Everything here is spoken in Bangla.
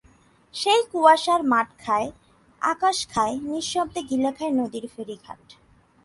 সেই কুয়াশায় মাঠ খায়, আকাশ খায়, নিঃশব্দে গিলে খায় নদীর ফেরিঘাট।